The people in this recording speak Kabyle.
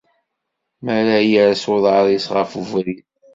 Mi ara yers uḍar-is ɣef ubrid.